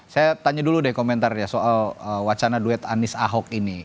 saya tanya dulu deh komentarnya soal wacana duet anies ahok ini